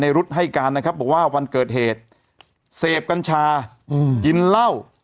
รุดให้การนะครับบอกว่าวันเกิดเหตุเสพกัญชากินเหล้า